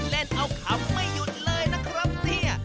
เล่นเอาขำไม่หยุดเลยนะครับเนี่ย